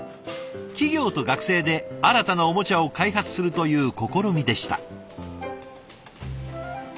企業と学生で新たなおもちゃを開発するという試みでした。